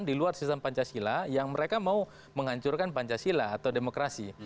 di luar sistem pancasila yang mereka mau menghancurkan pancasila atau demokrasi